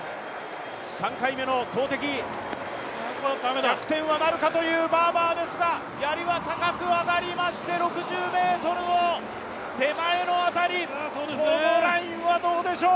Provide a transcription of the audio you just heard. ３回目の投てき逆転なるかというバーバーですが、やりは高く上がりまして６０ｍの手前の辺り、このラインはどうでしょう？